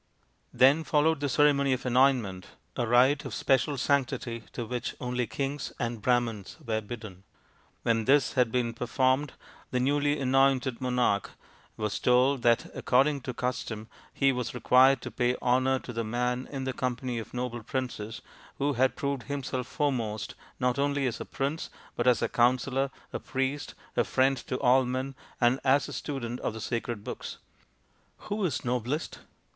Then followed the ceremony of anointment, a rite of special sanctity to which only kings and Brahmans were bidden. When this had been per 84 THE INDIAN STORY BOOK formed, the newly anointed monarch was told that, according to custom, he was required to pay honour to the man in the company of noble princes who had proved himself foremost not only as a prince, but as a counsellor, a priest, a friend to all men, and as a student of the sacred books. " Who is noblest